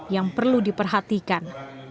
yang perlu diperhatikan